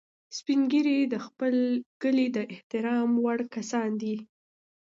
سپین ږیری د خپل کلي د احترام وړ کسان دي